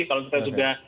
kalau kita sudah